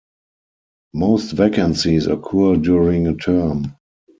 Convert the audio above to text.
Most vacancies occur during a term.